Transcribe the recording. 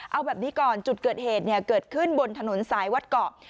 เอาแบบนี้ก่อนจุดเกิดเหตุเกิดขึ้นบนถนนสายวัดเกาะ